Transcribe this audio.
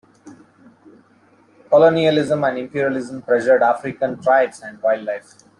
Colonialism and imperialism pressured African tribes and wildlife.